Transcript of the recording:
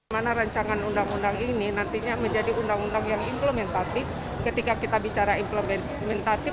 mana rancangan undang undang ini nantinya menjadi undang undang yang implementatif ketika kita bicara implementatif